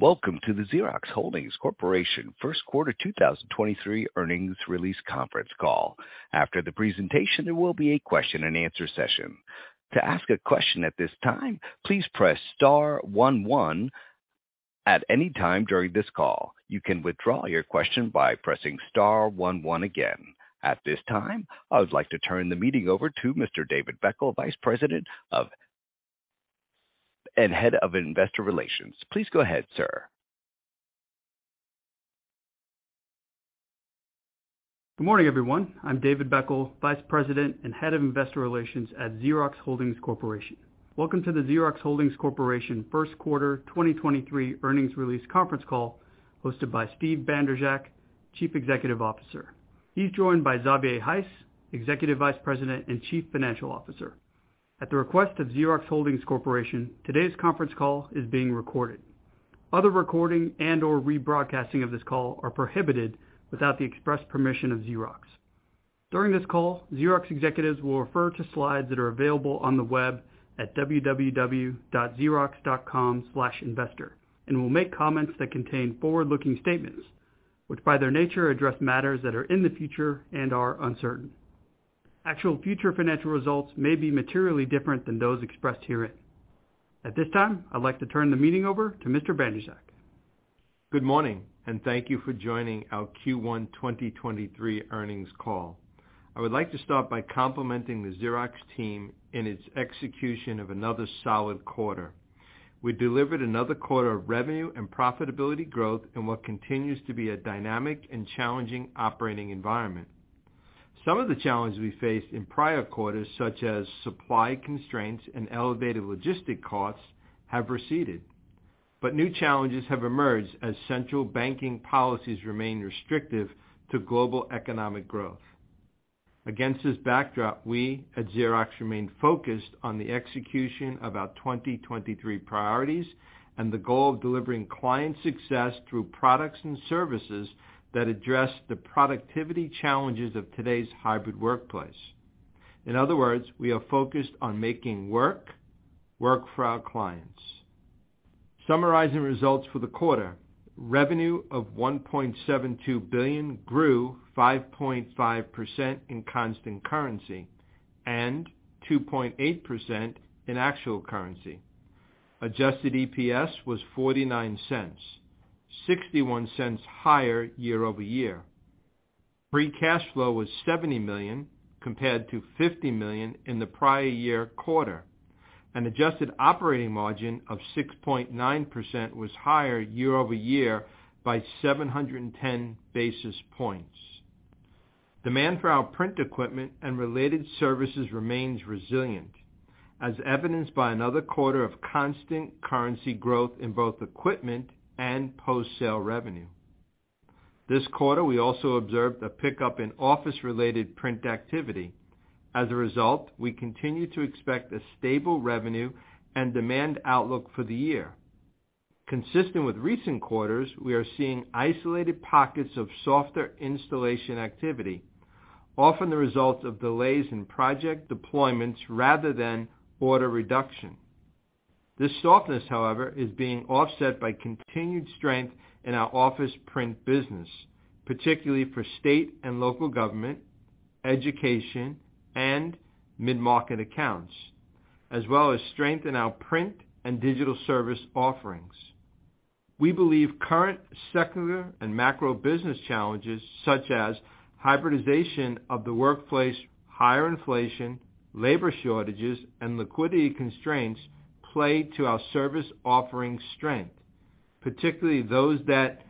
Welcome to the Xerox Holdings Corporation First Quarter 2023 Earnings Release Conference Call. After the presentation, there will be a question-and-answer session. To ask a question at this time, please press star one one. At any time during this call, you can withdraw your question by pressing star one one again. At this time, I would like to turn the meeting over to Mr. David Beckel, Vice President of and Head of Investor Relations. Please go ahead, sir. Good morning, everyone. I'm David Beckel, Vice President and Head of Investor Relations at Xerox Holdings Corporation. Welcome to the Xerox Holdings Corporation First Quarter 2023 Earnings Release Conference Call, hosted by Steve Bandrowczak, Chief Executive Officer. He's joined by Xavier Heiss, Executive Vice President and Chief Financial Officer. At the request of Xerox Holdings Corporation, today's conference call is being recorded. Other recording and/or rebroadcasting of this call are prohibited without the express permission of Xerox. During this call, Xerox executives will refer to slides that are available on the web at www.xerox.com/investor, and will make comments that contain forward-looking statements, which by their nature address matters that are in the future and are uncertain. Actual future financial results may be materially different than those expressed herein. At this time, I'd like to turn the meeting over to Mr. Bandrowczak. Good morning. Thank you for joining our Q1 2023 earnings call. I would like to start by complimenting the Xerox team in its execution of another solid quarter. We delivered another quarter of revenue and profitability growth in what continues to be a dynamic and challenging operating environment. Some of the challenges we faced in prior quarters, such as supply constraints and elevated logistic costs, have receded, but new challenges have emerged as central banking policies remain restrictive to global economic growth. Against this backdrop, we at Xerox remain focused on the execution of our 2023 priorities and the goal of delivering client success through products and services that address the productivity challenges of today's hybrid workplace. In other words, we are focused on making work for our clients. Summarizing results for the quarter, revenue of $1.72 billion grew 5.5% in constant currency, and 2.8% in actual currency. Adjusted EPS was $0.49, $0.61 higher year-over-year. Free cash flow was $70 million compared to $50 million in the prior year quarter. An adjusted operating margin of 6.9% was higher year-over-year by 710 basis points. Demand for our print equipment and related services remains resilient, as evidenced by another quarter of constant currency growth in both equipment and post-sale revenue. This quarter, we also observed a pickup in office-related print activity. As a result, we continue to expect a stable revenue and demand outlook for the year. Consistent with recent quarters, we are seeing isolated pockets of softer installation activity, often the result of delays in project deployments rather than order reduction. This softness, however, is being offset by continued strength in our office print business, particularly for state and local government, education, and mid-market accounts, as well as strength in our print and digital service offerings. We believe current secular and macro business challenges such as hybridization of the workplace, higher inflation, labor shortages, and liquidity constraints play to our service offering strength, particularly those that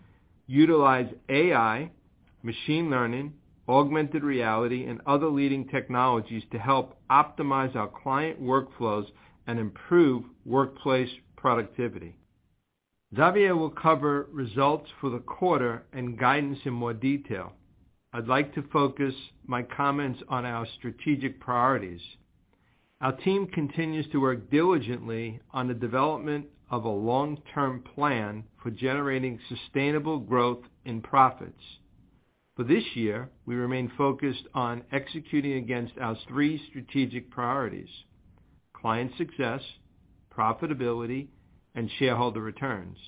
utilize AI, machine learning, augmented reality, and other leading technologies to help optimize our client workflows and improve workplace productivity. Xavier will cover results for the quarter and guidance in more detail. I'd like to focus my comments on our strategic priorities. Our team continues to work diligently on the development of a long-term plan for generating sustainable growth in profits. For this year, we remain focused on executing against our three strategic priorities: client success, profitability, and shareholder returns.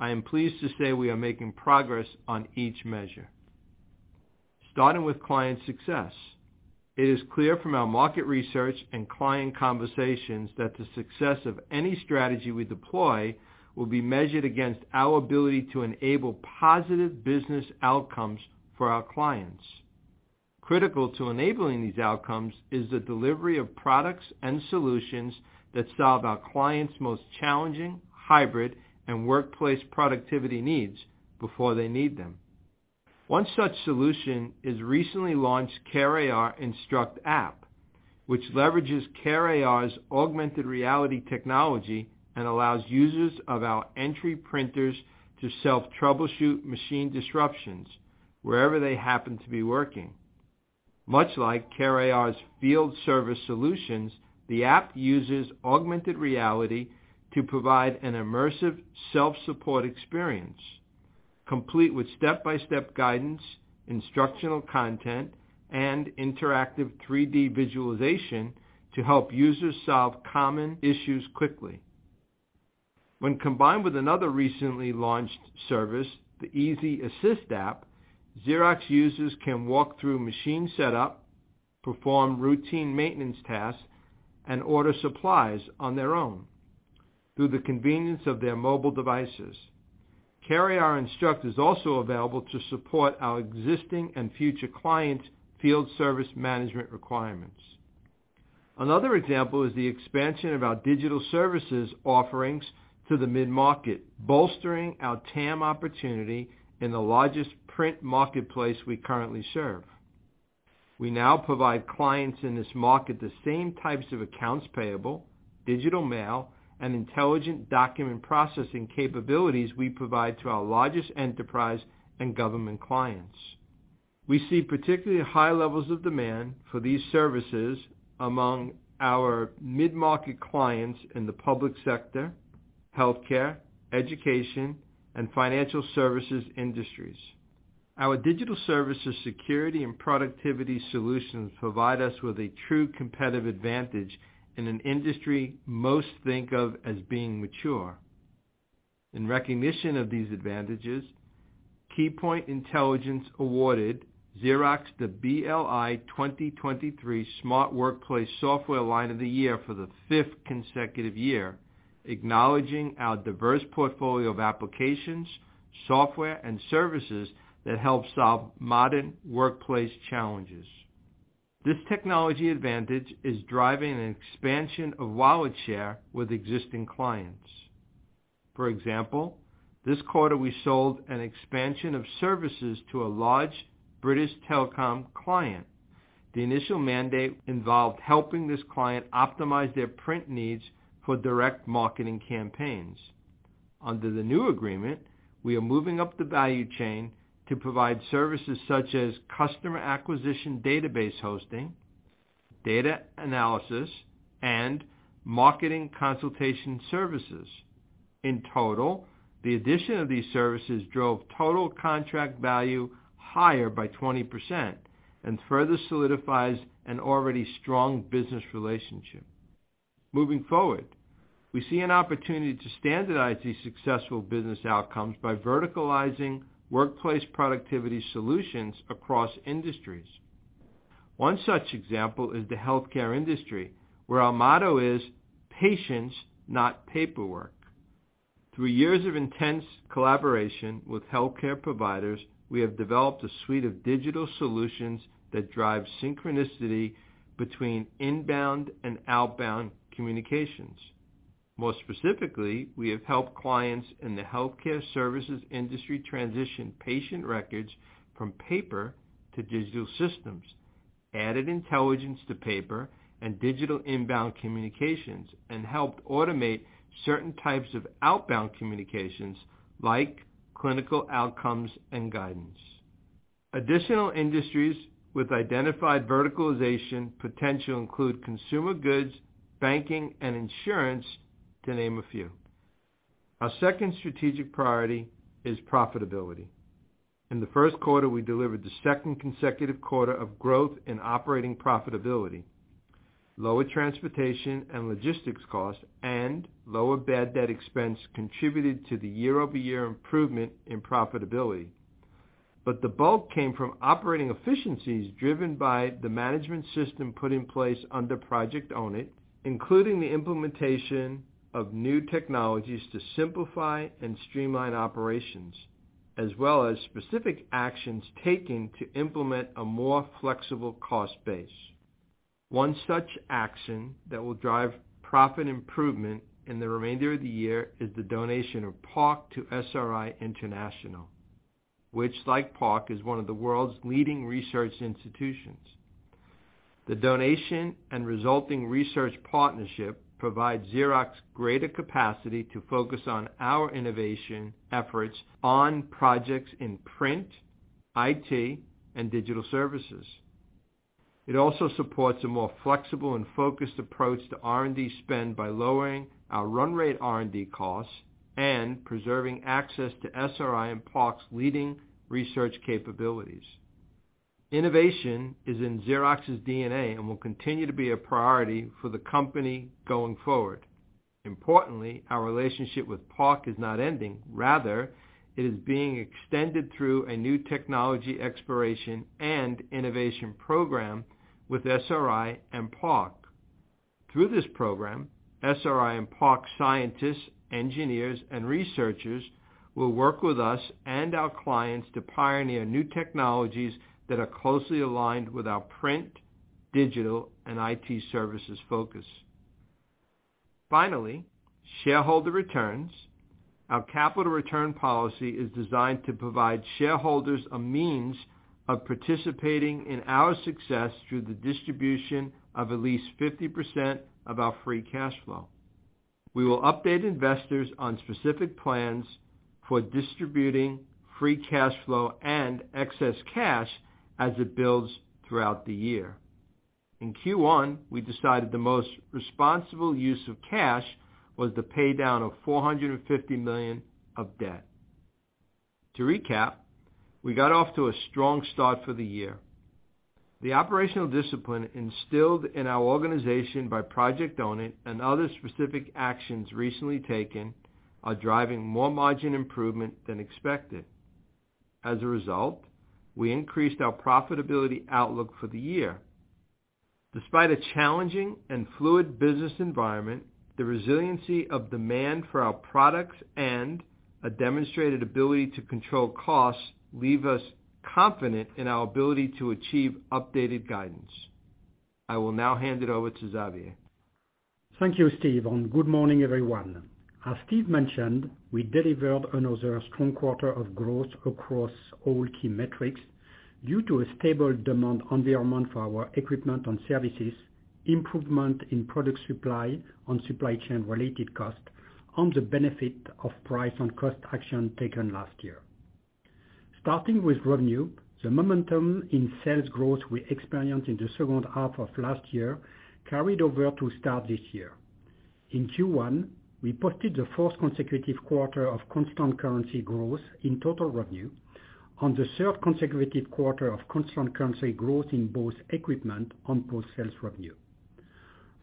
I am pleased to say we are making progress on each measure. Starting with client success, it is clear from our market research and client conversations that the success of any strategy we deploy will be measured against our ability to enable positive business outcomes for our clients. Critical to enabling these outcomes is the delivery of products and solutions that solve our clients' most challenging hybrid and workplace productivity needs before they need them. One such solution is recently launched CareAR Instruct app, which leverages CareAR's augmented reality technology and allows users of our entry printers to self-troubleshoot machine disruptions wherever they happen to be working. Much like CareAR's field service solutions, the app uses augmented reality to provide an immersive self-support experience, complete with step-by-step guidance, instructional content, and interactive 3D visualization to help users solve common issues quickly. When combined with another recently launched service, the Xerox Easy Assist App, Xerox users can walk through machine setup, perform routine maintenance tasks, and order supplies on their own through the convenience of their mobile devices. CareAR Instruct is also available to support our existing and future clients' field service management requirements. Another example is the expansion of our digital services offerings to the mid-market, bolstering our TAM opportunity in the largest print marketplace we currently serve. We now provide clients in this market the same types of accounts payable, digital mail, and intelligent document processing capabilities we provide to our largest enterprise and government clients. We see particularly high levels of demand for these services among our mid-market clients in the public sector, healthcare, education, and financial services industries. Our digital services security and productivity solutions provide us with a true competitive advantage in an industry most think of as being mature. In recognition of these advantages, Keypoint Intelligence awarded Xerox the BLI 2023 Smart Workplace Software Line of the Year for the fifth consecutive year, acknowledging our diverse portfolio of applications, software, and services that help solve modern workplace challenges. This technology advantage is driving an expansion of wallet share with existing clients. For example, this quarter we sold an expansion of services to a large British telecom client. The initial mandate involved helping this client optimize their print needs for direct marketing campaigns. Under the new agreement, we are moving up the value chain to provide services such as customer acquisition database hosting, data analysis, and marketing consultation services. In total, the addition of these services drove total contract value higher by 20% and further solidifies an already strong business relationship. Moving forward, we see an opportunity to standardize these successful business outcomes by verticalizing workplace productivity solutions across industries. One such example is the healthcare industry, where our motto is, "Patients, not paperwork." Through years of intense collaboration with healthcare providers, we have developed a suite of digital solutions that drive synchronicity between inbound and outbound communications. More specifically, we have helped clients in the healthcare services industry transition patient records from paper to digital systems, added intelligence to paper and digital inbound communications, and helped automate certain types of outbound communications, like clinical outcomes and guidance. Additional industries with identified verticalization potential include consumer goods, banking, and insurance, to name a few. Our second strategic priority is profitability. In the first quarter, we delivered the second consecutive quarter of growth in operating profitability. Lower transportation and logistics costs and lower bad debt expense contributed to the year-over-year improvement in profitability. The bulk came from operating efficiencies driven by the management system put in place under Project Own It, including the implementation of new technologies to simplify and streamline operations, as well as specific actions taken to implement a more flexible cost base. One such action that will drive profit improvement in the remainder of the year is the donation of PARC to SRI International, which, like PARC, is one of the world's leading research institutions. The donation and resulting research partnership provides Xerox greater capacity to focus on our innovation efforts on projects in print, IT, and digital services. It also supports a more flexible and focused approach to R&D spend by lowering our run rate R&D costs and preserving access to SRI and PARC's leading research capabilities. Innovation is in Xerox's DNA and will continue to be a priority for the company going forward. Importantly, our relationship with PARC is not ending. Rather, it is being extended through a new technology exploration and innovation program with SRI and PARC. Through this program, SRI and PARC scientists, engineers, and researchers will work with us and our clients to pioneer new technologies that are closely aligned with our print, digital, and IT services focus. Finally, shareholder returns. Our capital return policy is designed to provide shareholders a means of participating in our success through the distribution of at least 50% of our free cash flow. We will update investors on specific plans for distributing free cash flow and excess cash as it builds throughout the year. In Q1, we decided the most responsible use of cash was the pay down of $450 million of debt. To recap, we got off to a strong start for the year. The operational discipline instilled in our organization by Project Own It and other specific actions recently taken are driving more margin improvement than expected. As a result, we increased our profitability outlook for the year. Despite a challenging and fluid business environment, the resiliency of demand for our products and a demonstrated ability to control costs leave us confident in our ability to achieve updated guidance. I will now hand it over to Xavier. Thank you, Steve. Good morning, everyone. As Steve mentioned, we delivered another strong quarter of growth across all key metrics due to a stable demand environment for our equipment and services, improvement in product supply and supply chain-related cost on the benefit of price and cost action taken last year. Starting with revenue, the momentum in sales growth we experienced in the second half of last year carried over to start this year. In Q1, we posted the fourth consecutive quarter of constant currency growth in total revenue and the third consecutive quarter of constant currency growth in both equipment and post sales revenue.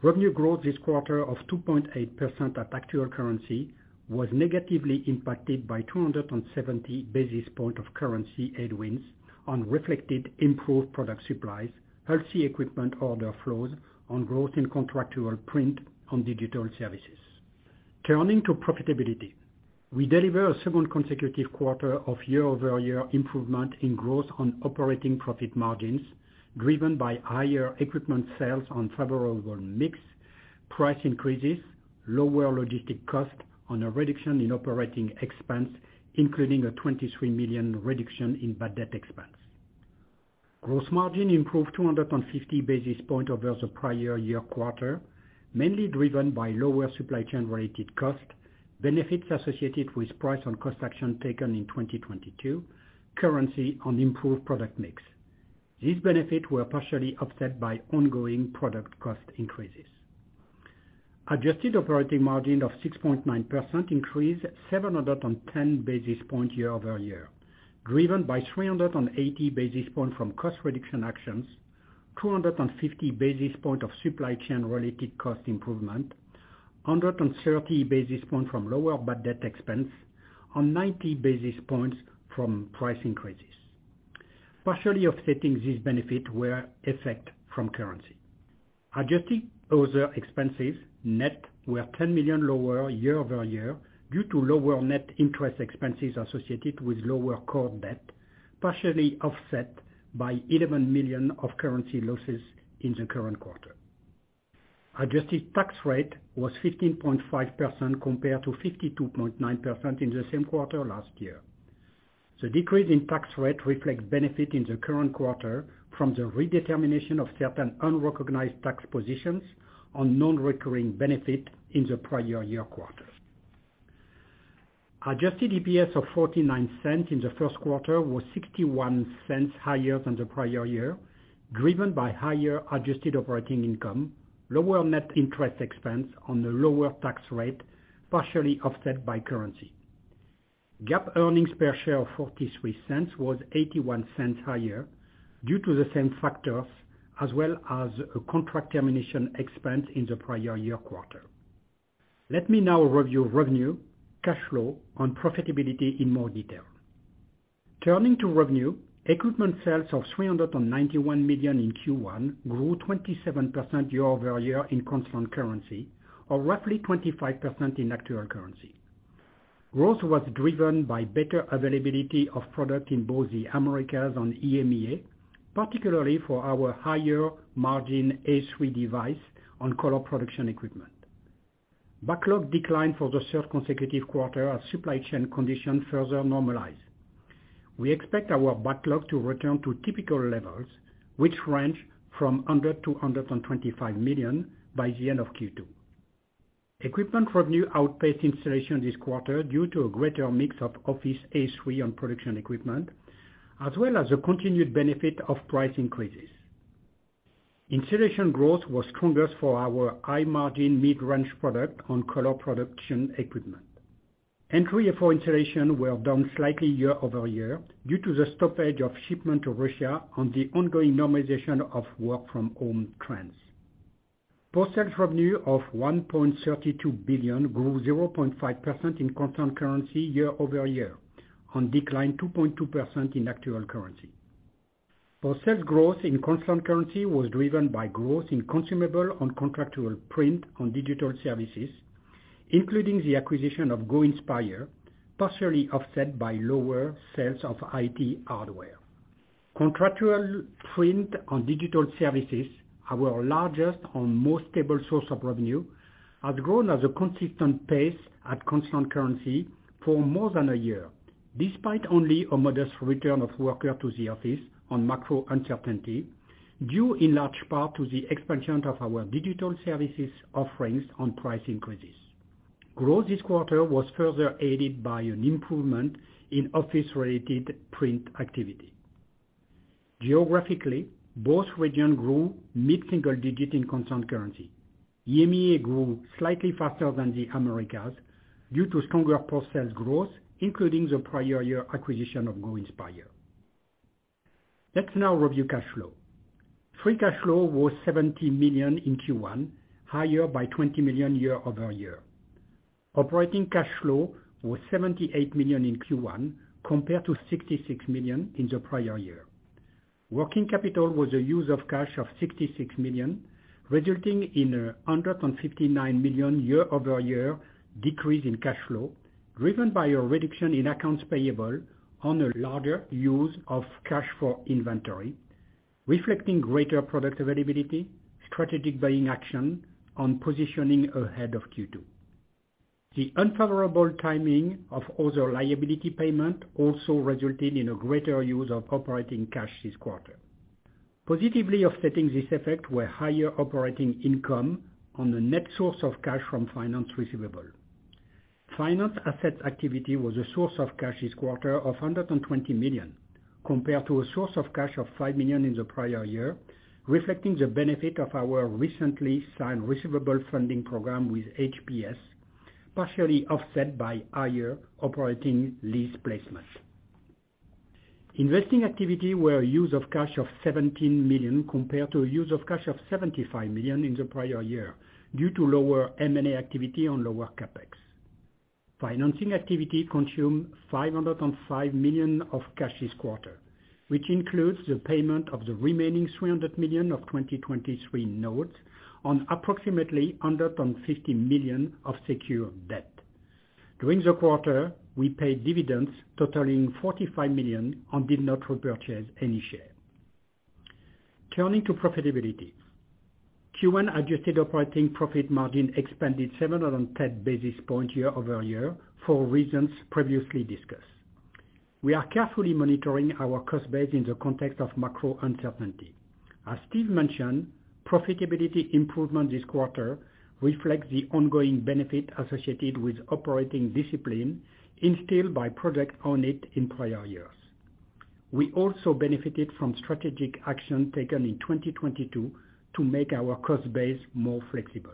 Revenue growth this quarter of 2.8% at actual currency was negatively impacted by 270 basis point of currency headwinds and reflected improved product supplies, healthy equipment order flows, and growth in contractual print and digital services. Turning to profitability. We deliver a second consecutive quarter of year-over-year improvement in growth on operating profit margins driven by higher equipment sales on favorable mix, price increases, lower logistic cost, and a reduction in operating expense, including a $23 million reduction in bad debt expense. Gross margin improved 250 basis point over the prior year quarter, mainly driven by lower supply chain-related cost, benefits associated with price and cost action taken in 2022, currency, and improved product mix. These benefits were partially offset by ongoing product cost increases. Adjusted operating margin of 6.9% increased 710 basis points year over year, driven by 380 basis points from cost reduction actions, 250 basis point of supply chain-related cost improvement, 130 basis point from lower bad debt expense, and 90 basis points from price increases. Partially offsetting these benefits were effects from currency. Adjusted other expenses net were $10 million lower year-over-year due to lower net interest expenses associated with lower core debt, partially offset by $11 million of currency losses in the current quarter. Adjusted tax rate was 15.5% compared to 52.9% in the same quarter last year. The decrease in tax rate reflects benefits in the current quarter from the redetermination of certain unrecognized tax positions on non-recurring benefits in the prior year quarter. Adjusted EPS of $0.49 in the first quarter was $0.61 higher than the prior year, driven by higher adjusted operating income, lower net interest expense on the lower tax rate, partially offset by currency. GAAP earnings per share of $0.43 was $0.81 higher due to the same factors as well as a contract termination expense in the prior year quarter. Let me now review revenue, cash flow, and profitability in more detail. Turning to revenue, equipment sales of $391 million in Q1 grew 27% year-over-year in constant currency or roughly 25% in actual currency. Growth was driven by better availability of product in both the Americas and EMEA, particularly for our higher margin A3 device and color production equipment. Backlog declined for the third consecutive quarter as supply chain conditions further normalize. We expect our backlog to return to typical levels, which range from $100 million-$125 million by the end of Q2. Equipment revenue outpaced installation this quarter due to a greater mix of office A3 and production equipment, as well as the continued benefit of price increases. Installation growth was strongest for our high margin mid-range product and color production equipment. Entry for installation were down slightly year-over-year due to the stoppage of shipment to Russia and the ongoing normalization of work from home trends. Post-sales revenue of $1.32 billion grew 0.5% in constant currency year-over-year and declined 2.2% in actual currency. Post-sales growth in constant currency was driven by growth in consumable and contractual print and digital services, including the acquisition of Go Inspire, partially offset by lower sales of IT hardware. Contractual print and digital services, our largest and most stable source of revenue, has grown at a consistent pace at constant currency for more than a year, despite only a modest return of worker to the office on macro uncertainty, due in large part to the expansion of our digital services offerings on price increases. Growth this quarter was further aided by an improvement in office-related print activity. Geographically, both regions grew mid-single digit in constant currency. EMEA grew slightly faster than the Americas due to stronger process growth, including the prior-year acquisition of Go Inspire. Let's now review cash flow. Free cash flow was $70 million in Q1, higher by $20 million year-over-year. Operating cash flow was $78 million in Q1, compared to $66 million in the prior-year. Working capital was a use of cash of $66 million, resulting in a $159 million year-over-year decrease in cash flow, driven by a reduction in accounts payable on a larger use of cash for inventory, reflecting greater product availability, strategic buying action on positioning ahead of Q2. The unfavorable timing of other liability payment also resulted in a greater use of operating cash this quarter. Positively offsetting this effect were higher operating income on the net source of cash from finance receivable. Finance asset activity was a source of cash this quarter of $120 million, compared to a source of cash of $5 million in the prior year, reflecting the benefit of our recently signed receivable funding program with HPS, partially offset by higher operating lease placements. Investing activity were a use of cash of $17 million compared to a use of cash of $75 million in the prior year, due to lower M&A activity on lower CapEx. Financing activity consumed $505 million of cash this quarter, which includes the payment of the remaining $300 million of 2023 notes on approximately $150 million of secure debt. During the quarter, we paid dividends totaling $45 million and did not repurchase any share. Turning to profitability. Q1 adjusted operating profit margin expanded 710 basis points year-over-year for reasons previously discussed. We are carefully monitoring our cost base in the context of macro uncertainty. As Steve mentioned, profitability improvement this quarter reflects the ongoing benefit associated with operating discipline instilled by Project Own It in prior years. We also benefited from strategic action taken in 2022 to make our cost base more flexible.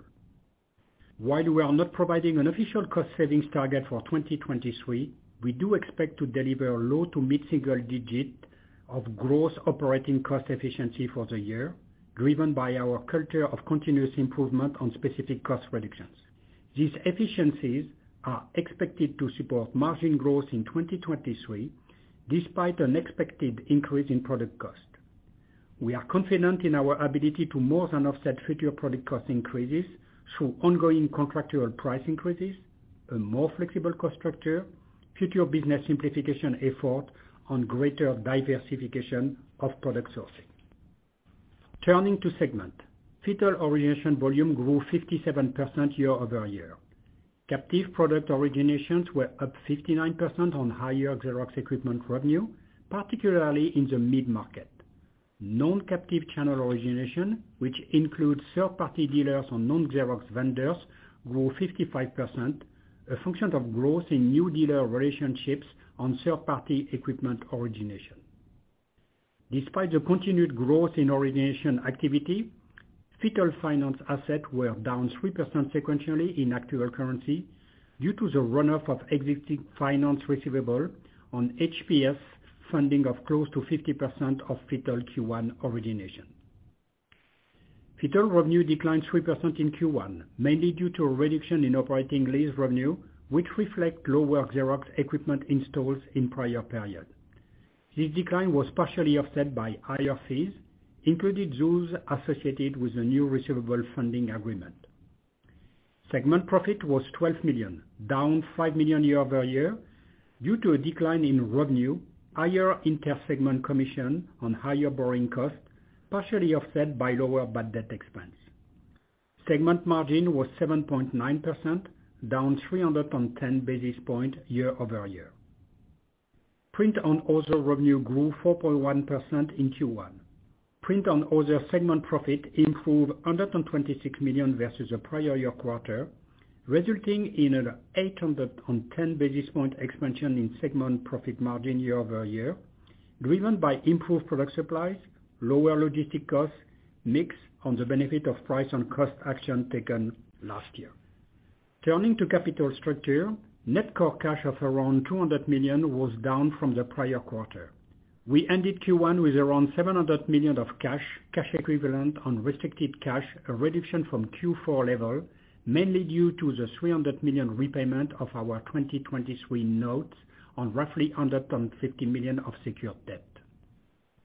While we are not providing an official cost savings target for 2023, we do expect to deliver low to mid-single-digit % of growth operating cost efficiency for the year, driven by our culture of continuous improvement on specific cost reductions. These efficiencies are expected to support margin growth in 2023 despite an expected increase in product cost. We are confident in our ability to more than offset future product cost increases through ongoing contractual price increases, a more flexible cost structure, future business simplification effort, and greater diversification of product sourcing. Turning to segment. FITTLE origination volume grew 57% year-over-year. Captive product originations were up 59% on higher Xerox equipment revenue, particularly in the mid-market. Non-captive channel origination, which includes third-party dealers on non-Xerox vendors, grew 55%, a function of growth in new dealer relationships on third-party equipment origination. Despite the continued growth in origination activity, FITTLE finance assets were down 3% sequentially in actual currency due to the run-off of existing finance receivable on HPS funding of close to 50% of FITTLE Q1 origination. FITTLE revenue declined 3% in Q1, mainly due to a reduction in operating lease revenue, which reflect lower Xerox equipment installs in prior periods. This decline was partially offset by higher fees, including those associated with the new receivable funding agreement. Segment profit was $12 million, down $5 million year-over-year due to a decline in revenue, higher inter-segment commission on higher borrowing costs, partially offset by lower bad debt expense. Segment margin was 7.9%, down 310 basis points year-over-year. Print on other revenue grew 4.1% in Q1. Print on other segment profit improved $126 million versus the prior year quarter, resulting in an 810 basis point expansion in segment profit margin year-over-year, driven by improved product supplies, lower logistics costs, mix on the benefit of price and cost action taken last year. Turning to capital structure, net core cash of around $200 million was down from the prior quarter. We ended Q1 with around $700 million of cash equivalent on restricted cash, a reduction from Q4 level, mainly due to the $300 million repayment of our 2023 notes on roughly $150 million of secured debt.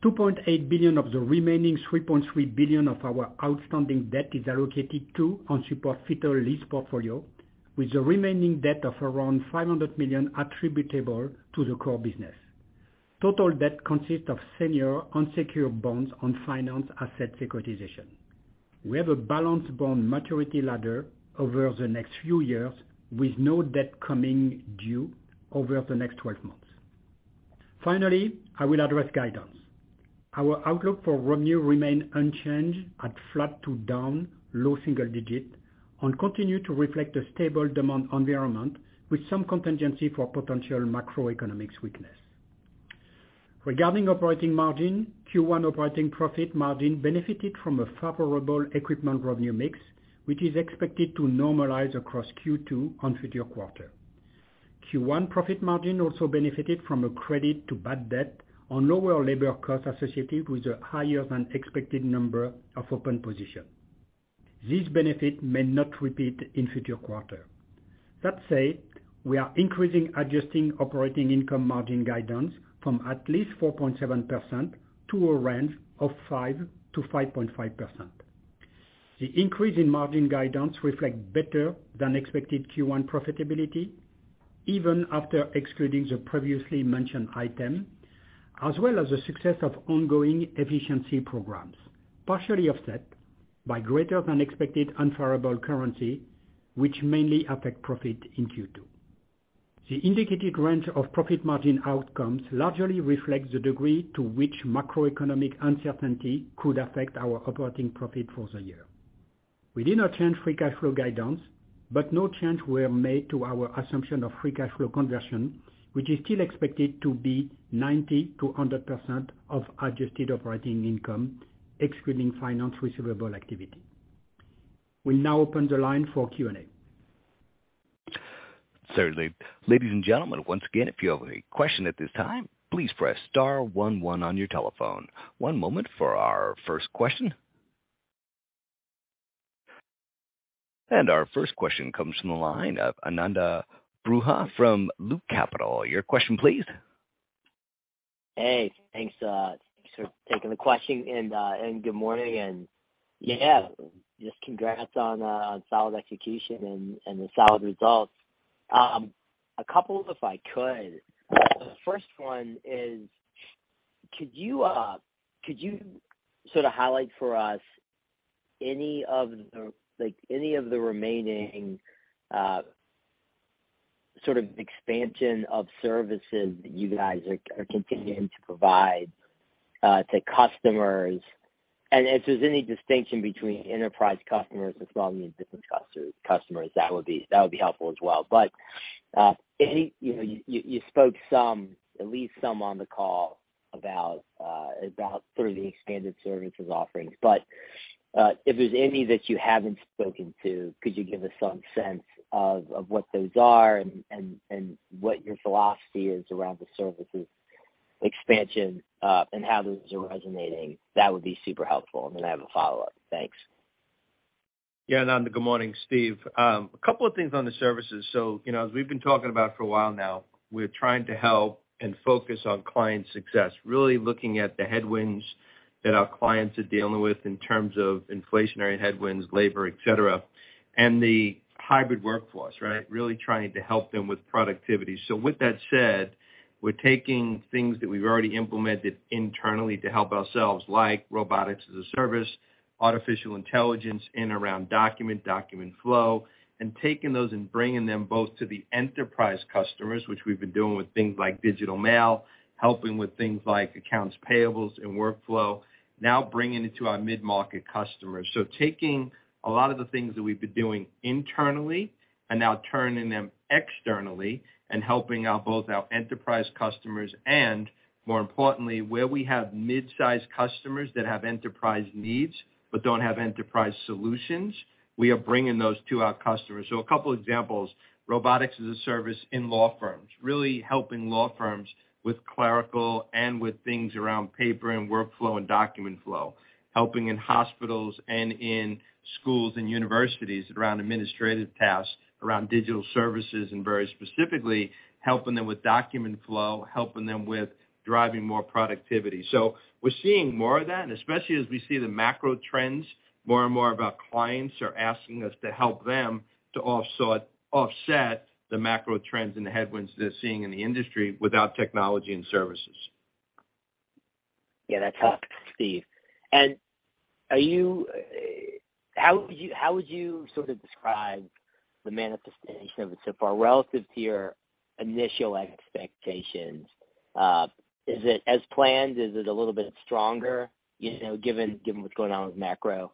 $2.8 billion of the remaining $3.3 billion of our outstanding debt is allocated to and support FITTLE lease portfolio, with the remaining debt of around $500 million attributable to the core business. Total debt consists of senior unsecured bonds on finance asset securitization. We have a balanced bond maturity ladder over the next few years, with no debt coming due over the next 12 months. Finally, I will address guidance. Our outlook for revenue remain unchanged at flat to down low single digit and continue to reflect a stable demand environment with some contingency for potential macroeconomic weakness. Regarding operating margin, Q1 operating profit margin benefited from a favorable equipment revenue mix, which is expected to normalize across Q2 and future quarter. Q1 profit margin also benefited from a credit to bad debt on lower labor costs associated with a higher than expected number of open positions. This benefit may not repeat in future quarters. That said, we are increasing adjusting operating income margin guidance from at least 4.7% to a range of 5%-5.5%. The increase in margin guidance reflect better than expected Q1 profitability, even after excluding the previously mentioned item, as well as the success of ongoing efficiency programs, partially offset by greater than expected unfavorable currency, which mainly affect profit in Q2. The indicated range of profit margin outcomes largely reflect the degree to which macroeconomic uncertainty could affect our operating profit for the year. We did not change free cash flow guidance, but no change were made to our assumption of free cash flow conversion, which is still expected to be 90%-100% of adjusted operating income, excluding finance receivable activity. We'll now open the line for Q&A. Certainly. Ladies and gentlemen, once again, if you have a question at this time, please press star one one on your telephone. One moment for our first question. Our first question comes from the line of Ananda Baruah from Loop Capital. Your question, please. Hey, thanks for taking the question and good morning. Yeah, just congrats on solid execution and the solid results. A couple if I could. The first one is, could you sort of highlight for us any of the like, any of the remaining sort of expansion of services that you guys are continuing to provide to customers? If there's any distinction between enterprise customers as well and your different customers, that would be helpful as well. Any, you know, you spoke some, at least some on the call about sort of the expanded services offerings, but, if there's any that you haven't spoken to, could you give us some sense of what those are and, and what your philosophy is around the services expansion, and how those are resonating? That would be super helpful. Then I have a follow-up. Thanks. Ananda. Good morning, Steve. A couple of things on the services. You know, as we've been talking about for a while now, we're trying to help and focus on client success. Really looking at the headwinds that our clients are dealing with in terms of inflationary headwinds, labor, et cetera, and the hybrid workforce, right? Really trying to help them with productivity. With that said, we're taking things that we've already implemented internally to help ourselves, like robotics as a service, artificial intelligence in around document flow, and taking those and bringing them both to the enterprise customers, which we've been doing with things like digital mail, helping with things like accounts payables and workflow, now bringing it to our mid-market customers. Taking a lot of the things that we've been doing internally and now turning them externally and helping out both our enterprise customers and more importantly, where we have mid-size customers that have enterprise needs but don't have enterprise solutions, we are bringing those to our customers. A couple examples, robotics as a service in law firms, really helping law firms with clerical and with things around paper and workflow and document flow. Helping in hospitals and in schools and universities around administrative tasks, around digital services, and very specifically helping them with document flow, helping them with driving more productivity. We're seeing more of that, and especially as we see the macro trends more and more of our clients are asking us to help them to offset the macro trends and the headwinds they're seeing in the industry without technology and services. Yeah, that's helpful, Steve. How would you sort of describe the manifestation of it so far relative to your initial expectations? Is it as planned? Is it a little bit stronger? You know, given what's going on with macro,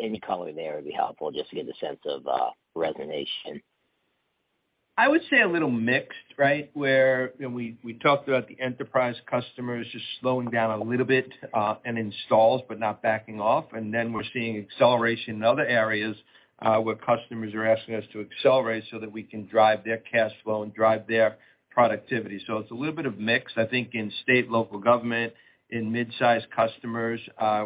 any color there would be helpful just to get a sense of resonation. I would say a little mixed, right? You know, we talked about the enterprise customers just slowing down a little bit and installs but not backing off. We're seeing acceleration in other areas where customers are asking us to accelerate so that we can drive their cash flow and drive their productivity. It's a little bit of mix. I think in state, local government, in mid-size customers,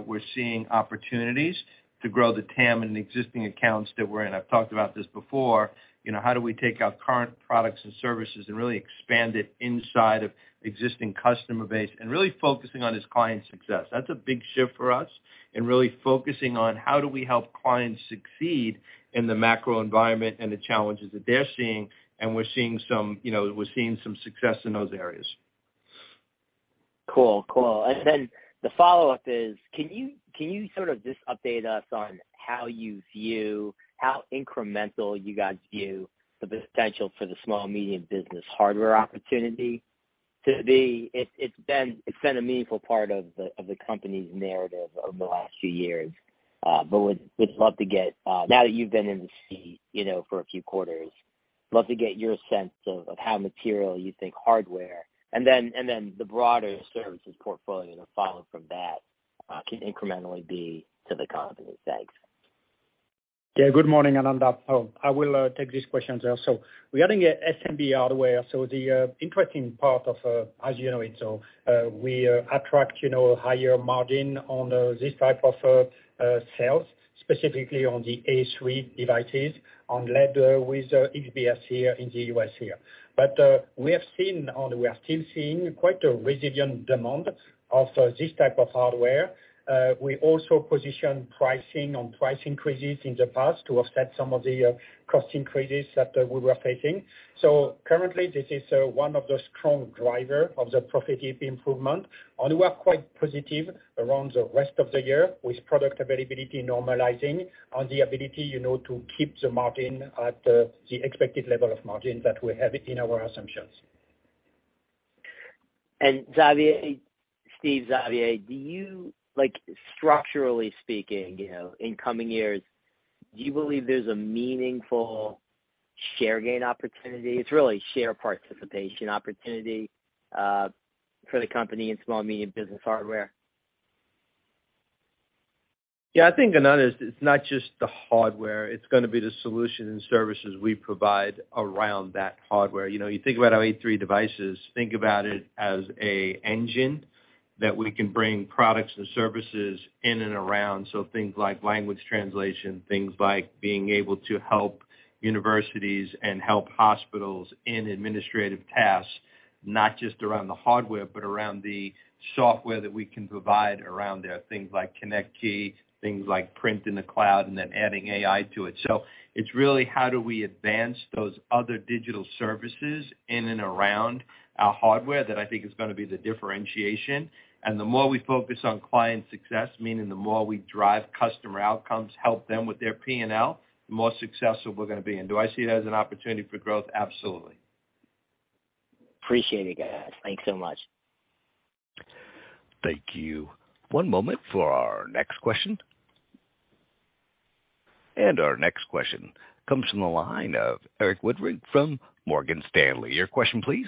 we're seeing opportunities to grow the TAM in the existing accounts that we're in. I've talked about this before, you know, how do we take our current products and services and really expand it inside of existing customer base and really focusing on this client success. That's a big shift for us, really focusing on how do we help clients succeed in the macro environment and the challenges that they're seeing. We're seeing some, you know, we're seeing some success in those areas. Cool. Cool. The follow-up is, can you sort of just update us on how incremental you guys view the potential for the small medium business hardware opportunity to be? It's been a meaningful part of the company's narrative over the last few years. Would love to get, now that you've been in the seat, you know, for a few quarters, love to get your sense of how material you think hardware and then the broader services portfolio that follow from that, can incrementally be to the company. Thanks. Good morning, Ananda. I will take these questions there. Regarding SMB hardware, the interesting part of, as you know it, we attract, you know, higher margin on this type of sales, specifically on the A3 devices on lead with HFS in the U.S. here. We have seen and we are still seeing quite a resilient demand of this type of hardware. We also position pricing on price increases in the past to offset some of the cost increases that we were facing. Currently this is one of the strong driver of the profit improvement, and we're quite positive around the rest of the year with product availability normalizing on the ability, you know, to keep the margin at the expected level of margin that we have in our assumptions. Xavier, Steve, Xavier, do you, like structurally speaking, you know, in coming years, do you believe there's a meaningful share gain opportunity? It's really share participation opportunity for the company in small medium business hardware. I think, Ananda, it's not just the hardware, it's gonna be the solution and services we provide around that hardware. You know, you think about our A3 devices, think about it as a engine that we can bring products and services in and around. Things like language translation, things like being able to help universities and help hospitals in administrative tasks, not just around the hardware but around the software that we can provide around there. Things like ConnectKey, things like print in the cloud, adding AI to it. It's really how do we advance those other digital services in and around our hardware that I think is gonna be the differentiation. The more we focus on client success, meaning the more we drive customer outcomes, help them with their P&L, the more successful we're gonna be. Do I see it as an opportunity for growth? Absolutely. Appreciate it, guys. Thanks so much. Thank you. One moment for our next question. Our next question comes from the line of Erik Woodring from Morgan Stanley. Your question please.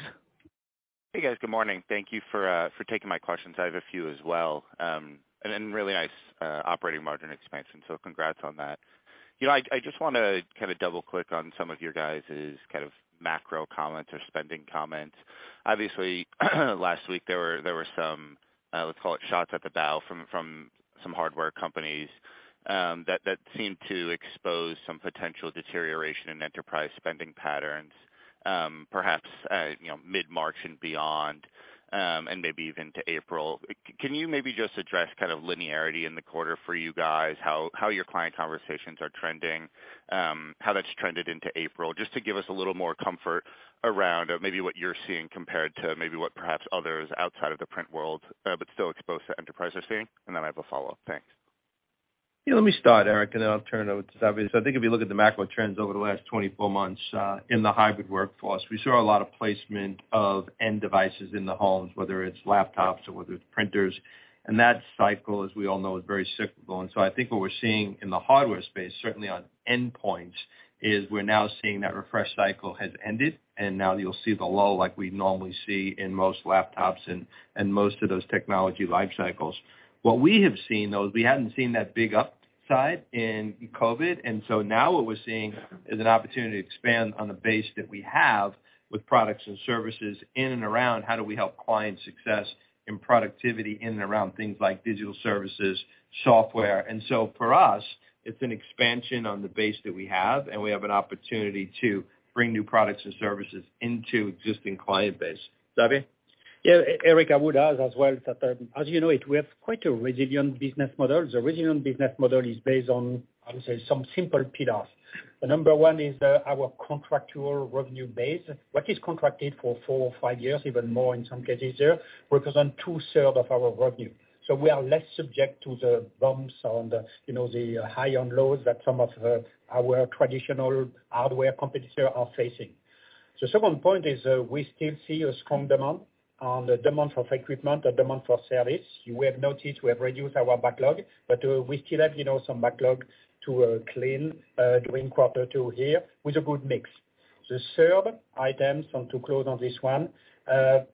Hey, guys. Good morning. Thank you for for taking my questions. I have a few as well. Then really nice operating margin expansion, so congrats on that. You know, I just wanna kind of double-click on some of your guys' kind of macro comments or spending comments. Obviously, last week there were some, let's call it shots at the bow from some hardware companies that seemed to expose some potential deterioration in enterprise spending patterns, perhaps, you know, mid-March and beyond, and maybe even to April. Can you maybe just address kind of linearity in the quarter for you guys? How your client conversations are trending, how that's trended into April, just to give us a little more comfort around, maybe what you're seeing compared to maybe what perhaps others outside of the print world, but still exposed to enterprise are seeing. Then I have a follow-up. Thanks. Yeah. Let me start, Erik, and then I'll turn it over to Xavier. I think if you look at the macro trends over the last 24 months, in the hybrid workforce, we saw a lot of placement of end devices in the homes, whether it's laptops or whether it's printers. That cycle, as we all know, is very cyclical. I think what we're seeing in the hardware space, certainly on endpoints, is we're now seeing that refresh cycle has ended, and now you'll see the lull like we normally see in most laptops and most of those technology life cycles. What we have seen, though, is we hadn't seen that big upside in COVID. Now what we're seeing is an opportunity to expand on the base that we have with products and services in and around how do we help clients success in productivity in and around things like digital services, software. For us, it's an expansion on the base that we have, and we have an opportunity to bring new products and services into existing client base. Xavier? Erik, I would add as well that, as you know it, we have quite a resilient business model. The resilient business model is based on, I would say, some simple pillars. The number one is our contractual revenue base. What is contracted for four or five years, even more in some cases there, represents two-third of our revenue. We are less subject to the bumps on the, you know, the high and lows that some of our traditional hardware competitor are facing. The second point is, we still see a strong demand on the demand for equipment and demand for service. You will notice we have reduced our backlog, but we still have, you know, some backlog to clean during quarter two here with a good mix. The third item, to close on this one,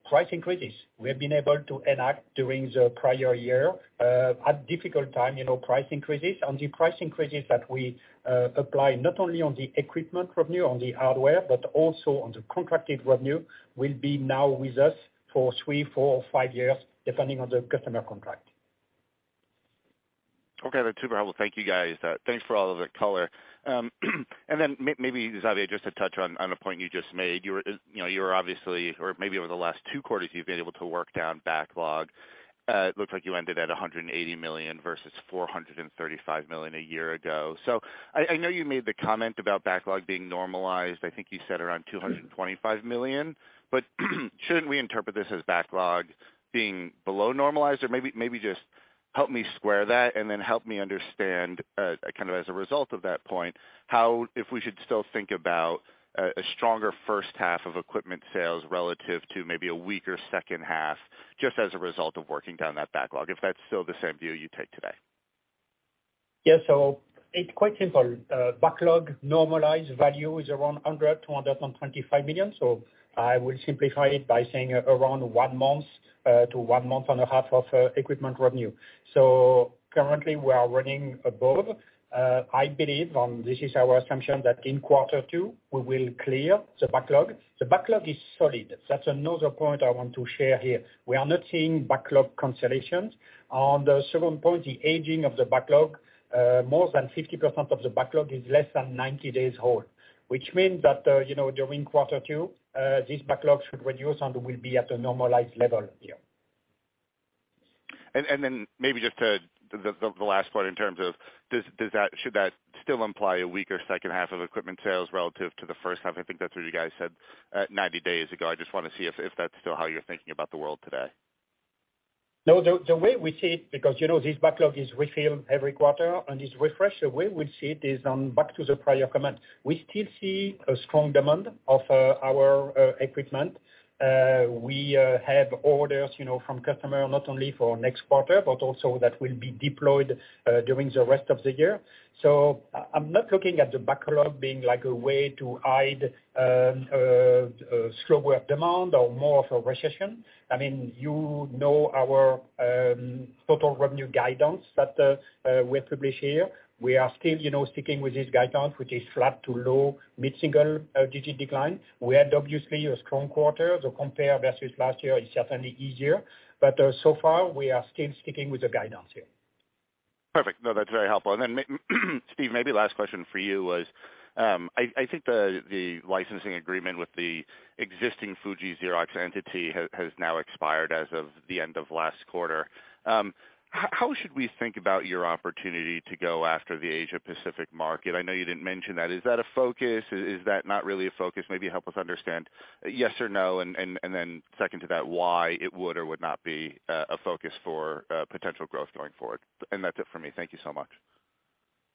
price increases. We have been able to enact during the prior year, at difficult time, you know, price increases. The price increases that we apply not only on the equipment revenue, on the hardware, but also on the contracted revenue, will be now with us for three, four, five years, depending on the customer contract. Okay, the two. Well, thank you guys. Thanks for all of the color. Maybe, Xavier, just to touch on a point you just made. You were, you know, you were obviously, or maybe over the last two quarters, you've been able to work down backlog. It looks like you ended at $180 million versus $435 million a year ago. I know you made the comment about backlog being normalized, I think you said around $225 million. Shouldn't we interpret this as backlog being below normalized? Maybe just help me square that, help me understand, kind of as a result of that point, if we should still think about a stronger first half of equipment sales relative to maybe a weaker second half, just as a result of working down that backlog, if that's still the same view you take today? It's quite simple. Backlog normalized value is around $100 million-$125 million. I will simplify it by saying around one month to one month and a half of equipment revenue. Currently we are running above. I believe, and this is our assumption, that in quarter two we will clear the backlog. The backlog is solid. That's another point I want to share here. We are not seeing backlog cancellations. On the second point, the aging of the backlog, more than 50% of the backlog is less than 90 days old, which means that, you know, during quarter two, this backlog should reduce and will be at a normalized level here. Then maybe just to the, the last part in terms of should that still imply a weaker second half of equipment sales relative to the first half? I think that's what you guys said, 90 days ago. I just wanna see if that's still how you're thinking about the world today. No, the way we see it, because, you know, this backlog is refilled every quarter and is refreshed, the way we see it is on back to the prior comment. We still see a strong demand of our equipment. We have orders, you know, from customer not only for next quarter, but also that will be deployed during the rest of the year. I'm not looking at the backlog being like a way to hide slower demand or more of a recession. I mean, you know our total revenue guidance that we establish here. We are still, you know, sticking with this guidance, which is flat to low mid-single digit decline. We had obviously a strong quarter, to compare versus last year is certainly easier. So far we are still sticking with the guidance here. Perfect. No, that's very helpful. Steve, maybe last question for you was, I think the licensing agreement with the existing Fuji Xerox entity has now expired as of the end of last quarter. How should we think about your opportunity to go after the Asia Pacific market? I know you didn't mention that. Is that a focus? Is that not really a focus? Maybe help us understand yes or no, and then second to that, why it would or would not be a focus for potential growth going forward. That's it for me. Thank you so much.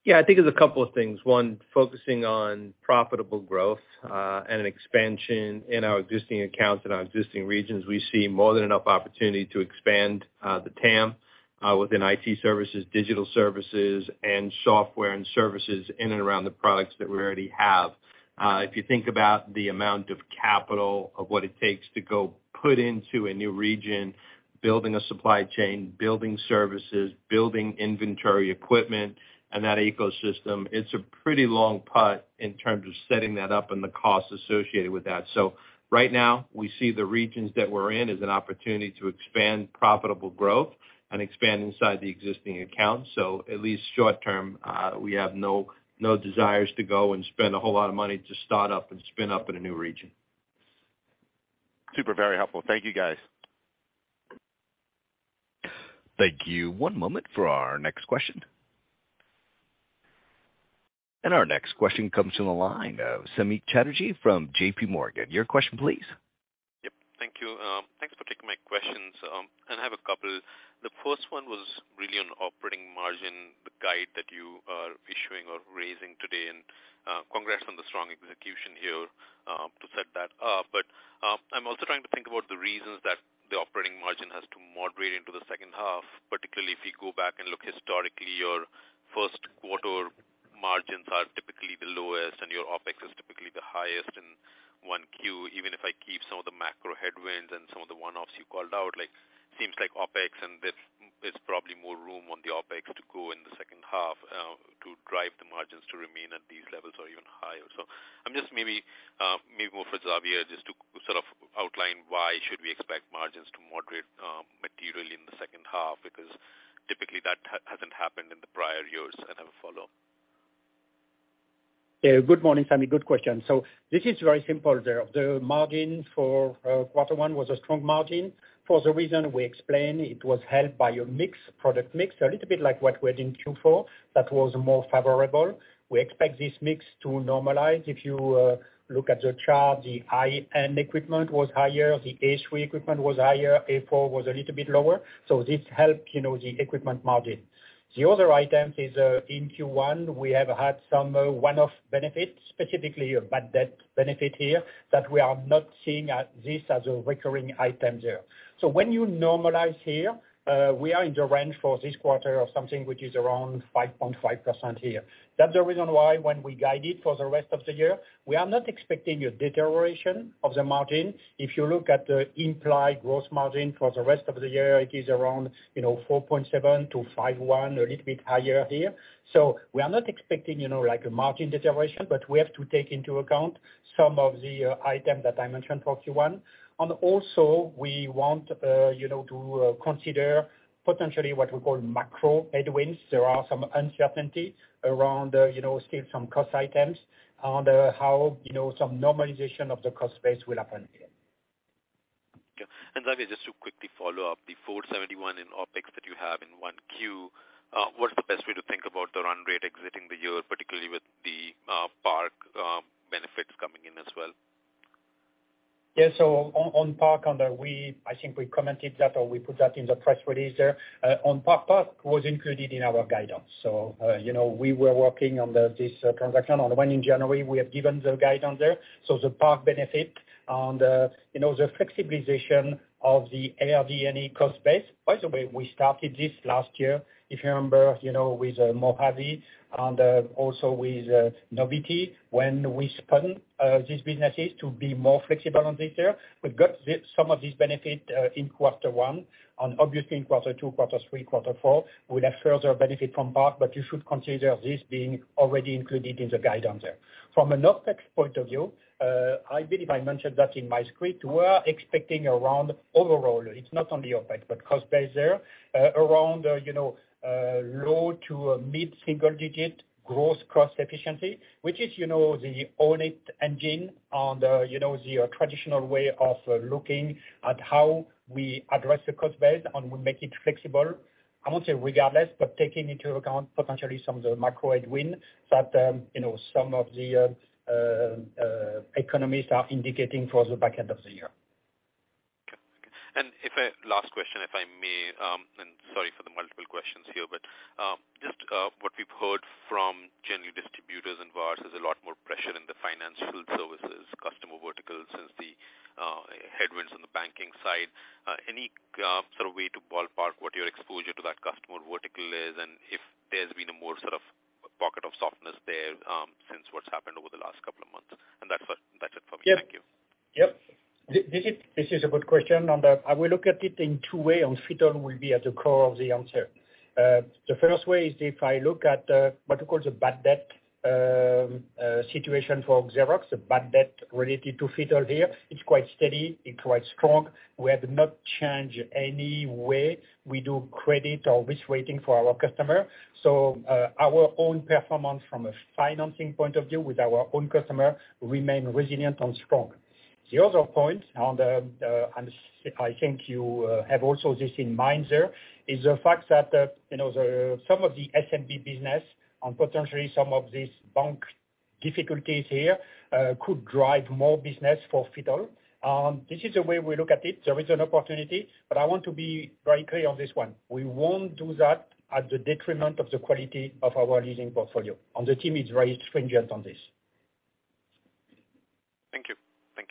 Yeah. I think there's a couple of things. One, focusing on profitable growth, and an expansion in our existing accounts, in our existing regions. We see more than enough opportunity to expand the TAM within IT services, digital services, and software and services in and around the products that we already have. If you think about the amount of capital of what it takes to go put into a new region, building a supply chain, building services, building inventory equipment and that ecosystem, it's a pretty long putt in terms of setting that up and the costs associated with that. Right now we see the regions that we're in as an opportunity to expand profitable growth and expand inside the existing accounts. At least short term, we have no desires to go and spend a whole lot of money to start up and spin up in a new region. Super. Very helpful. Thank you guys. Thank you. One moment for our next question. Our next question comes from the line of Samik Chatterjee from JP Morgan. Your question please. Yep. Thank you. Thanks for taking my questions. I have a couple. The first one was really on operating margin, the guide that you are issuing or raising today. Congrats on the strong execution here to set that up. I'm also trying to think about the reasons that the operating margin has to moderate into the second half. Particularly if you go back and look historically, your first quarter margins are typically the lowest and your OpEx is typically the highest in 1Q. Even if I keep some of the macro headwinds and some of the one-offs you called out, like, seems like OpEx and there's probably more room on the OpEx to go in the second half to drive the margins to remain at these levels or even higher. I'm just maybe more for Xavier, just to sort of outline why should we expect margins to moderate, materially in the second half? Because typically that hasn't happened in the prior years. I have a follow-up. Good morning, Samik. Good question. This is very simple there. The margin for Quarter one was a strong margin. For the reason we explained, it was helped by a mix, product mix, a little bit like what we had in Q4 that was more favorable. We expect this mix to normalize. If you look at the chart, the high-end equipment was higher, the A3 equipment was higher, A4 was a little bit lower, so this helped, you know, the equipment margin. The other items is in Q1, we have had some one-off benefits, specifically a bad debt benefit here that we are not seeing at this as a recurring item there. When you normalize here, we are in the range for this quarter of something which is around 5.5% here. That's the reason why when we guided for the rest of the year, we are not expecting a deterioration of the margin. If you look at the implied gross margin for the rest of the year, it is around, you know, 4.7% to 5.1%, a little bit higher here. We are not expecting, you know, like, a margin deterioration, but we have to take into account some of the item that I mentioned for Q1. Also we want, you know, to consider. Potentially what we call macro headwinds. There are some uncertainty around, you know, still some cost items and how, you know, some normalization of the cost base will happen here. Okay. Xavier, just to quickly follow up, the 471 in OpEx that you have in 1Q, what is the best way to think about the run rate exiting the year, particularly with the PARC benefits coming in as well? Yeah. On, on PARC on there I think we commented that or we put that in the press release there. On PARC was included in our guidance. You know, we were working on this transaction on the one in January, we have given the guidance there. The PARC benefit and, you know, the flexibilization of the ARDN cost base. By the way, we started this last year, if you remember, you know, with Mojave and also with Novitex when we spun these businesses to be more flexible on this year. We've got some of this benefit in quarter one and obviously in quarter two, quarter three, quarter four, we'll have further benefit from PARC. You should consider this being already included in the guidance there. From an OpEx point of view, I believe I mentioned that in my script, we're expecting around overall, it's not only OpEx, but cost base there, around, you know, low to mid-single digit growth cost efficiency, which is, you know, the Own It engine and, you know, the traditional way of looking at how we address the cost base, and we make it flexible. I won't say regardless, but taking into account potentially some of the macro headwind that, you know, some of the economists are indicating for the back end of the year. Okay. Last question, if I may, sorry for the multiple questions here, just what we've heard from generally distributors and VARs, there's a lot more pressure in the financial services customer verticals since the headwinds in the banking side. Any sort of way to ballpark what your exposure to that customer vertical is and if there's been a more sort of pocket of softness there, since what's happened over the last couple of months? That's it for me. Thank you. Yep. This is a good question, and I will look at it in two way, and FiDO will be at the core of the answer. The first way is if I look at what we call the bad debt situation for Xerox, the bad debt related to FiDO here, it's quite steady, it's quite strong. We have not changed any way we do credit or risk weighting for our customer. Our own performance from a financing point of view with our own customer remain resilient and strong. The other point, and I think you have also this in mind there, is the fact that, you know, the, some of the SMB business and potentially some of these bank difficulties here, could drive more business for FiDO. This is the way we look at it. There is an opportunity, but I want to be very clear on this one. We won't do that at the detriment of the quality of our leasing portfolio, and the team is very stringent on this. Thank you. Thank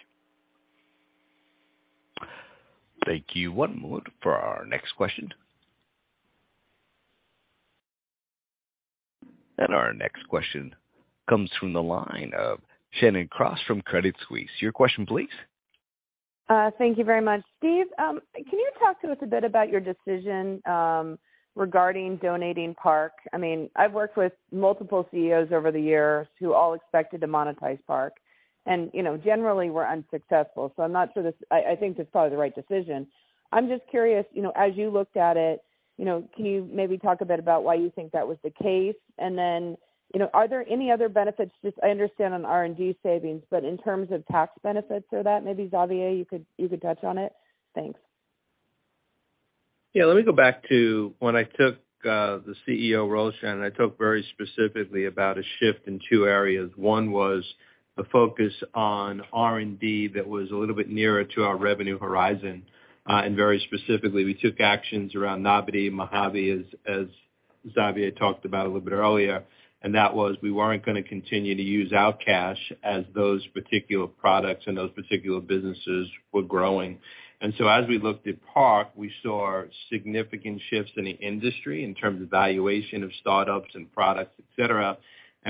you. Thank you. One moment for our next question. Our next question comes from the line of Shannon Cross from Credit Suisse. Your question please. Thank you very much, Steve. Can you talk to us a bit about your decision regarding donating PARC? I mean, I've worked with multiple CEOs over the years who all expected to monetize PARC and, you know, generally were unsuccessful. I'm not sure this. I think it's probably the right decision. I'm just curious, you know, as you looked at it, you know, can you maybe talk a bit about why you think that was the case? You know, are there any other benefits, just I understand on R&D savings, but in terms of tax benefits or that, maybe Xavier, you could touch on it? Thanks. Let me go back to when I took the CEO role, Shannon. I talked very specifically about a shift in two areas. One was the focus on R&D that was a little bit nearer to our revenue horizon. Very specifically, we took actions around Novitex, Mojave, as Xavier talked about a little bit earlier. That was, we weren't gonna continue to use out cash as those particular products and those particular businesses were growing. As we looked at PARC, we saw significant shifts in the industry in terms of valuation of startups and products, et cetera.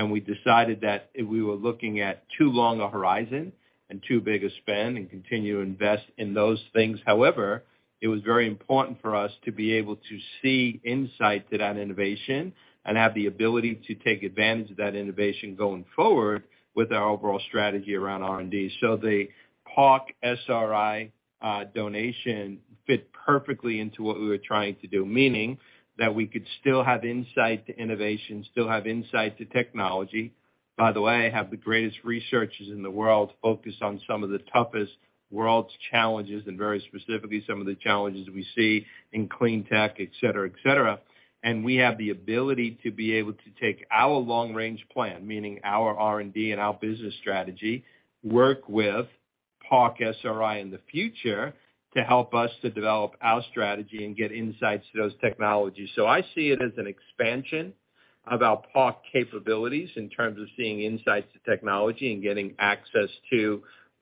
We decided that if we were looking at too long a horizon and too big a spend and continue to invest in those things, however, it was very important for us to be able to see insight to that innovation and have the ability to take advantage of that innovation going forward with our overall strategy around R&D. The PARC SRI donation fit perfectly into what we were trying to do, meaning that we could still have insight to innovation, still have insight to technology. By the way, have the greatest researchers in the world focused on some of the toughest world's challenges, and very specifically some of the challenges we see in clean tech, et cetera, et cetera. We have the ability to be able to take our long-range plan, meaning our R&D and our business strategy, work with PARC SRI in the future to help us to develop our strategy and get insights to those technologies. I see it as an expansion of our PARC capabilities in terms of seeing insights to technology and getting access to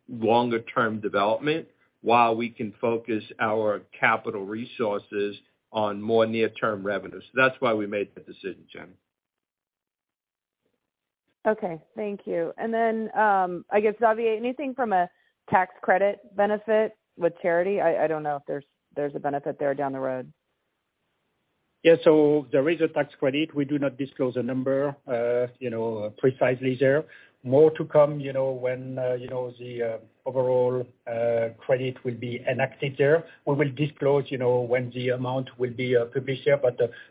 longer term development while we can focus our capital resources on more near-term revenue. That's why we made the decision, Shannon. Okay. Thank you. I guess, Xavier, anything from a tax credit benefit with charity? I don't know if there's a benefit there down the road. There is a tax credit. We do not disclose a number, you know, precisely there. More to come, you know when, you know, the overall credit will be enacted there. We will disclose, you know, when the amount will be published here.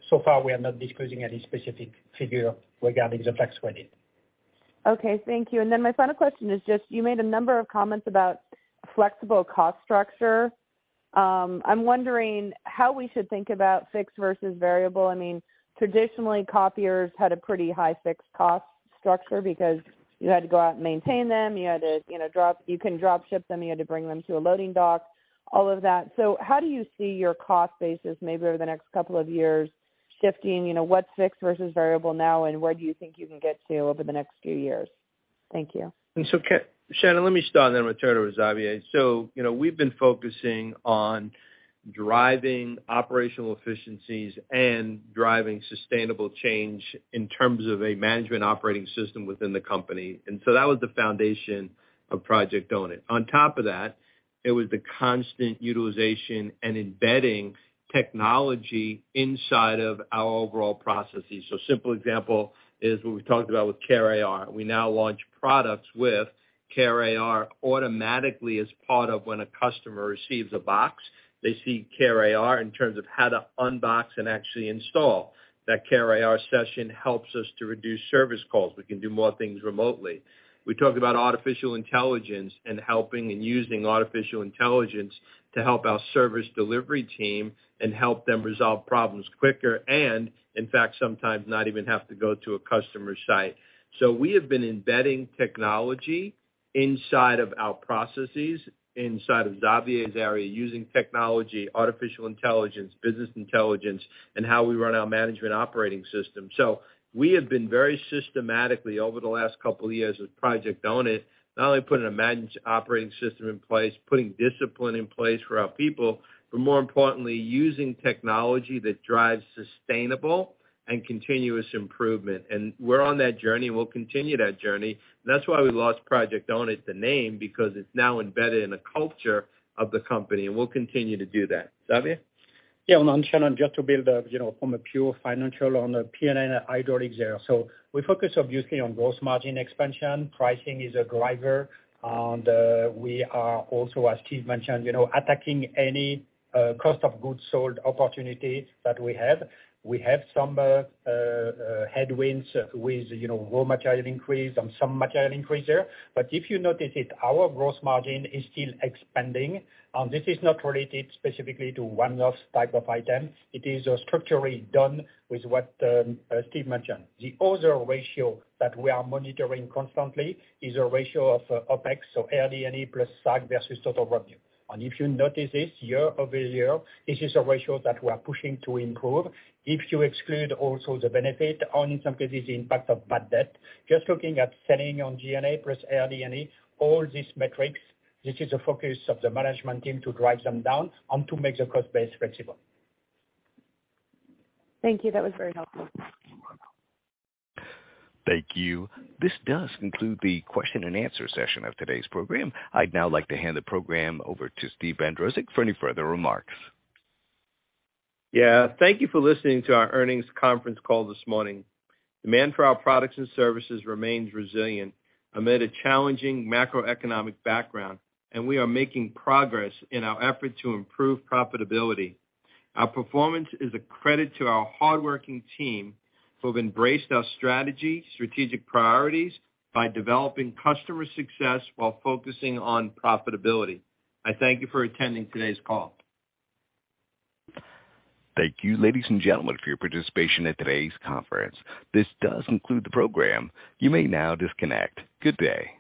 So far, we are not disclosing any specific figure regarding the tax credit. Okay. Thank you. My final question is just, you made a number of comments about flexible cost structure. I'm wondering how we should think about fixed versus variable. I mean traditionally, copiers had a pretty high fixed cost structure because you had to go out and maintain them. You had to, you know, You can drop ship them. You had to bring them to a loading dock, all of that. How do you see your cost basis maybe over the next couple of years shifting, you know, what's fixed versus variable now, and where do you think you can get to over the next few years? Thank you. Shannon, let me start then return it to Xavier. You know, we've been focusing on driving operational efficiencies and driving sustainable change in terms of a management operating system within the company. That was the foundation of Project Own It. On top of that, it was the constant utilization and embedding technology inside of our overall processes. Simple example is what we talked about with CareAR. We now launch products with CareAR automatically as part of when a customer receives a box. They see CareAR in terms of how to unbox and actually install. That CareAR session helps us to reduce service calls. We can do more things remotely. We talked about artificial intelligence and helping and using artificial intelligence to help our service delivery team and help them resolve problems quicker, and in fact, sometimes not even have to go to a customer site. We have been embedding technology inside of our processes, inside of Xavier's area, using technology, artificial intelligence, business intelligence, and how we run our management operating system. We have been very systematically over the last couple of years with Project Own It, not only putting a manage operating system in place, putting discipline in place for our people, but more importantly, using technology that drives sustainable and continuous improvement. We're on that journey, and we'll continue that journey. That's why we launched Project Own It, the name, because it's now embedded in the culture of the company, and we'll continue to do that. Xavier? Yeah, Shannon, just to build up, you know, from a pure financial on a P&L ideal example. We focus obviously on gross margin expansion. Pricing is a driver. We are also, as Steve mentioned, you know, attacking any cost of goods sold opportunity that we have. We have some headwinds with, you know, raw material increase and some material increase there. If you notice it, our gross margin is still expanding, and this is not related specifically to one-off type of item. It is structurally done with what Steve mentioned. The other ratio that we are monitoring constantly is a ratio of OPEX, so RD&E plus SAG versus total revenue. If you notice this year-over-year, this is a ratio that we're pushing to improve. If you exclude also the benefit or in some cases, the impact of bad debt, just looking at selling on G&A plus RD&E, all these metrics, this is the focus of the management team to drive them down and to make the cost base flexible. Thank you. That was very helpful. Thank you. This does conclude the question and answer session of today's program. I'd now like to hand the program over to Steve Bandrowczak for any further remarks. Thank you for listening to our earnings conference call this morning. Demand for our products and services remains resilient amid a challenging macroeconomic background. We are making progress in our effort to improve profitability. Our performance is a credit to our hardworking team who have embraced our strategy, strategic priorities by developing customer success while focusing on profitability. I thank you for attending today's call. Thank you, ladies and gentlemen, for your participation in today's conference. This does conclude the program. You may now disconnect. Good day.